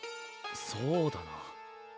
そうだな。